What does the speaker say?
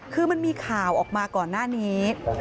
คือมันมีข่าวออกมาก่อนหน้านี้